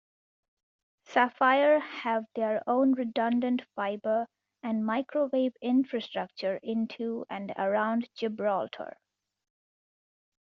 Sapphire have their own redundant fibre and microwave infrastructure into and around Gibraltar.